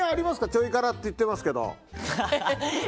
ちょい辛って言ってますけど。